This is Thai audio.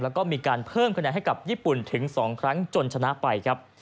แล้วก็มีการเพิ่มคะแนนให้กับญี่ปุ่นถึง๒ครั้งจนชนะไปครับ